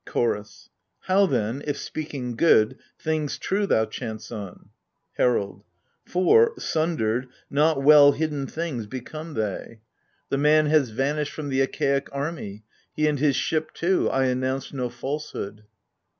CHOROS. How then if, speaking good, things true thou chance on? HERALD. For, sundered, not well hidden things become they. AGAMEMNON. 53 The man has vanished from the Achaic army, He and his ship too. I announce no falsehood.